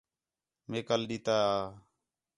مئے کل ݙِتا ہا